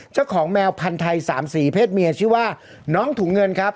เจ้าของแมวพันธุ์ไทย๓สีเพศเมียชื่อว่าน้องถุงเงินครับ